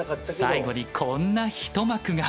最後にこんな一幕が。